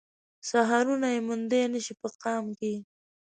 سحرونه يې موندای نه شي په قام کې